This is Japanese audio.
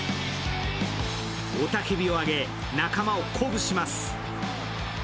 雄たけびをあげ仲間を鼓舞します。